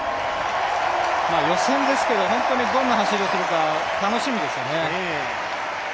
予選ですけど、どんな走りをするか楽しみですよね。